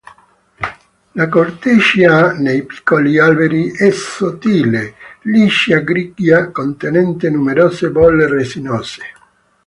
La corteccia nei piccoli alberi è sottile, liscia, grigia contenente numerose bolle resinose.